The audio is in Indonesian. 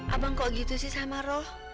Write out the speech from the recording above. abang kok gitu sih sama roh